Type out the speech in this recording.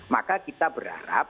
maka kita berharap